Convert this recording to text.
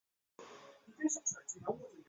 宜嫔死后与儿子同葬孝昌园。